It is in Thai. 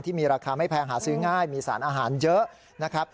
ที่มีราคาไม่แพงหาซื้อง่ายมีสารอาหารเยอะนะครับ